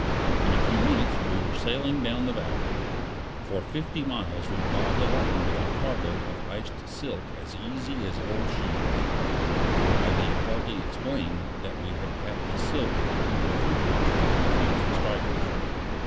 In a few minutes we were sailing down the valley. For fifty miles we bobbed along with our cargo of iced silk as easy as old shoes; for I need hardly explain that we had packed the silk into the refrigerators to confuse the strikers.